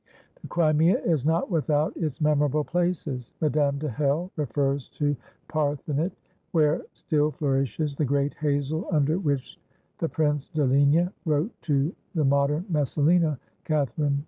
The Crimea is not without its memorable places. Madame de Hell refers to Parthenit, where still flourishes the great hazel under which the Prince de Ligne wrote to the modern Messalina, Catherine II.